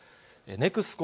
ネクスコ